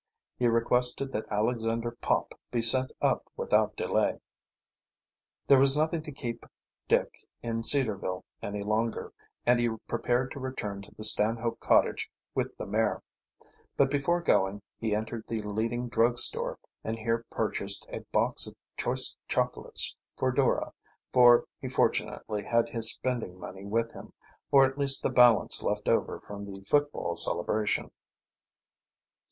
He requested that Alexander Pop be sent up without delay. There was nothing to keep Dick in Cedarville any longer, and he prepared to return to the Stanhope cottage with the mare. But before going he entered the leading drug store, and here purchased a box of choice chocolates for Dora, for he fortunately had his spending money with him, or at least the balance left over from the football celebration.